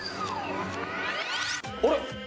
あれ？